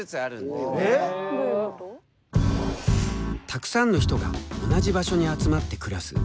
たくさんの人が同じ場所に集まって暮らす。